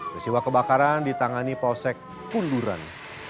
kesiwa kebakaran ditangani posek kunduran